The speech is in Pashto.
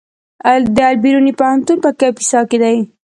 د البیروني پوهنتون په کاپیسا کې دی